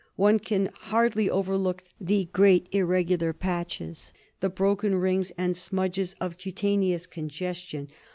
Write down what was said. One can hardly overlook the great irregular patches, the broken rings and smudges of cutaneous congestion.